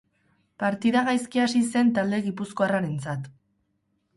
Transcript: Partida gaizki hasi zen talde gipuzkoarrarentzat.